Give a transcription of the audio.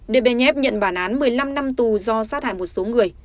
dbh nhận bản án một mươi năm năm tù do sát hại một số người